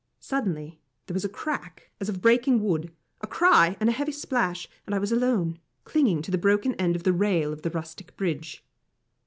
Suddenly there was a crack as of breaking wood, a cry and a heavy splash, and I was alone, clinging to the broken end of the rail of the rustic bridge.